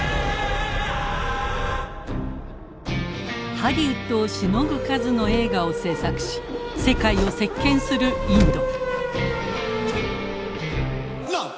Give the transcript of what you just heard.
ハリウッドをしのぐ数の映画を製作し世界を席けんするインド。